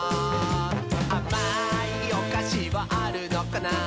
「あまいおかしはあるのかな？」